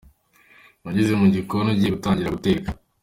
Wageze mu gikoni ugiye gutangira guteka.